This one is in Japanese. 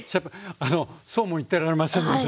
あのそうも言ってられませんので。